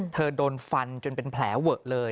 เธอโดนฟันจนเป็นแผลเหวิกเลย